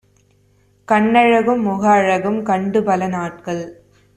கண்ணழகும் முகஅழகும் கண்டுபல நாட்கள்